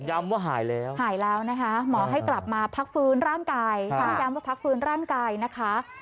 ว่าหายแล้วหายแล้วนะคะหมอให้กลับมาพักฟื้นร่างกายทั้งย้ำว่าพักฟื้นร่างกายนะคะ